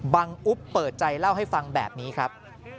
อุ๊บเปิดใจเล่าให้ฟังแบบนี้ครับ